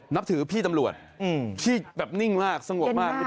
นับถือพี่ตำรวจที่แบบนิ่งมากสงบมาก